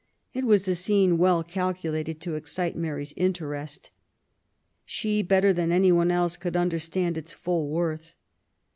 It was a scene well calculated to excite Mary's interest. She, better than anyone else, could understand its full worth.